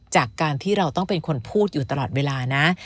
จากการที่เราต้องเป็นคนพูดอยู่ตลอดเวลานะ